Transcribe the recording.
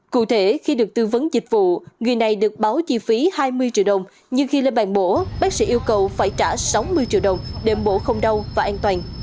cụ thể khi được tư vấn dịch vụ người này được báo chi phí hai mươi triệu đồng nhưng khi lên bàn mổ bác sĩ yêu cầu phải trả sáu mươi triệu đồng để bổ không đau và an toàn